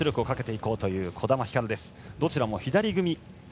どちらも左組み。